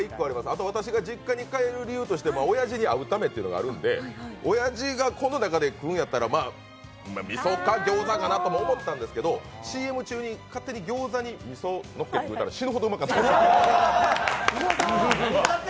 あと、私が実家に帰る理由としておやじに会うためっていうのがあるんでおやじがこの中で食うんやったらまあ、味噌か餃子かなとも思ったんですけどＣＭ中に勝手に餃子にみそ乗っけて食ったら死ぬほどうまかった。